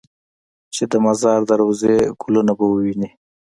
چې د مزار د روضې ګلونه به ووینې.